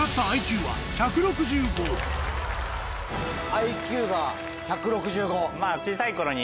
ＩＱが１６５。